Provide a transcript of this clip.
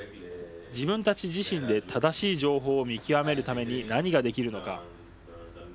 自分たち自身で正しい情報を見極めるために何ができるのか。